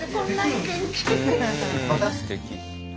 すてき。